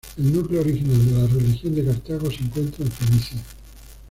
El núcleo original de la religión de Cartago se encuentra en Fenicia.